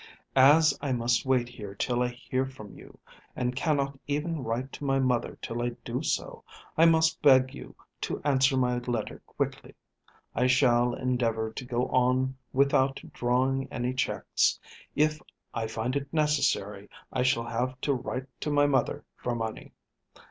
As I must wait here till I hear from you, and cannot even write to my mother till I do so, I must beg you to answer my letter quickly. I shall endeavour to go on without drawing any cheques. If I find it necessary I shall have to write to my mother for money.